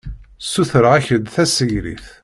Ssutreɣ-ak-d tasegrit.